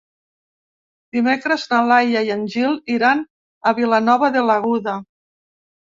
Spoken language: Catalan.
Dimecres na Laia i en Gil iran a Vilanova de l'Aguda.